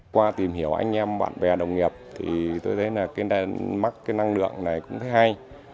qua tìm hiểu anh em bạn bè đồng nghiệp thì tôi thấy mắc năng lượng này cũng hay